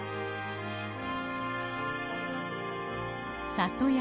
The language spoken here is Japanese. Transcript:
里山。